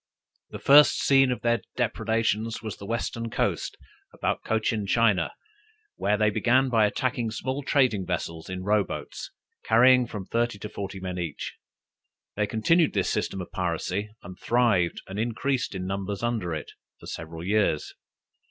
The first scene of their depredations was the Western coast, about Cochin China, where they began by attacking small trading vessels in row boats, carrying from thirty to forty men each. They continued this system of piracy, and thrived and increased in numbers under it, for several years.